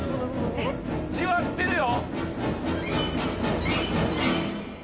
じわってるよ！